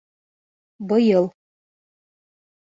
Быйыл.